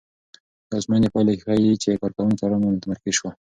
د ازموینې پایلې ښيي چې کارکوونکي ارامه او متمرکز شول.